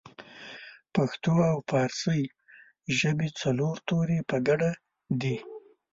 پښتو او پارسۍ ژبې څلور توري په ګډه دي